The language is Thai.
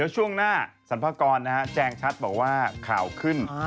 ช่วงหน้าสรรพากรแจงชัดบอกว่าข่าวขึ้น